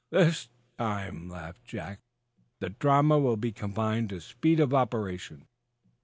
"This time," laughed Jack, "the dramatic will be confined to speed of operation."